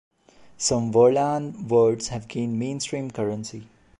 Some "verlan" words have gained mainstream currency.